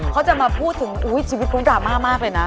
เขาจะมาพูดถึงอุ้ยชีวิตคุณดราม่าเลยนะ